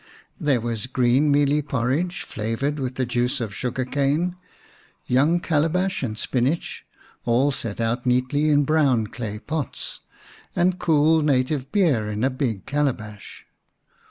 There was green mealie porridge flavoured with the juice of sugar cane, young calabash and spinach, all set out neatly in brown clay pots, and cool native beer in a big calabash.